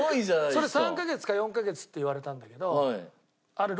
それ３カ月か４カ月って言われたんだけどあれ